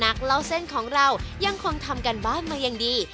เล่าเส้นของเรายังคงทำการบ้านมาอย่างดี